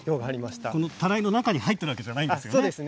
たらいの中に入ってるわけではないんですね。